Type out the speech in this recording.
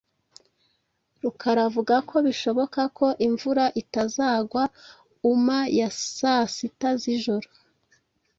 Rukara avuga ko bishoboka ko imvura itazagwa uma ya saa sita z'ijoro.